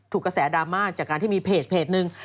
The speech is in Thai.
ถูกกระแสดราม่าจากการที่มีเพจเพจนึง